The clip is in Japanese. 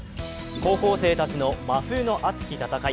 高校生たちの真冬の熱き戦い。